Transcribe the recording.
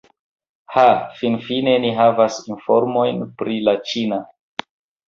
Ha, finfine ni havas informojn pri la ĉina!